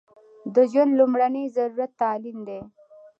د ژوند لمړنۍ ضرورت تعلیم دی